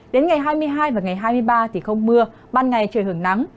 đến ngày hai mươi hai và ngày hai mươi ba thì không mưa ban ngày trời hưởng nắng